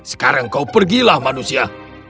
sekarang kau pergilah manusia